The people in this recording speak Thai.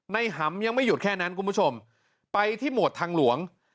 หำยังไม่หยุดแค่นั้นคุณผู้ชมไปที่หมวดทางหลวง